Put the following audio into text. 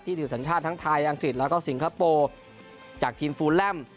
ถือสัญชาติทั้งไทยอังกฤษแล้วก็สิงคโปร์จากทีมฟูแลม